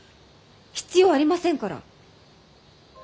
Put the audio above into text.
必要ありませんから。